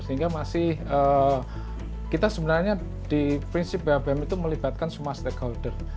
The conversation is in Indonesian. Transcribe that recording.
sehingga masih kita sebenarnya di prinsip babm itu melibatkan semua stakeholder